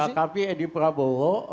kkp edi prabowo orangnya nerter